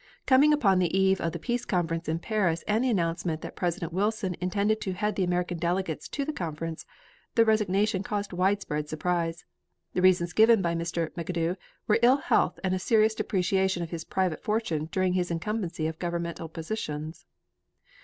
Coming upon the eve of the peace conference in Paris and the announcement that President Wilson intended to head the American delegates to the conference, the resignation caused widespread surprise. The reasons given by Mr. McAdoo were ill health and a serious depreciation of his private fortune during his incumbency of governmental positions.